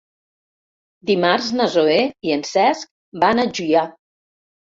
Dimarts na Zoè i en Cesc van a Juià.